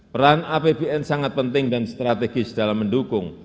peran apbn sangat penting dan strategis dalam mendukung